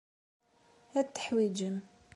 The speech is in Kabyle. Ad t-teḥwijem.